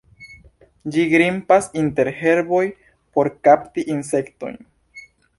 Ĝi grimpas inter herboj por kapti insektojn.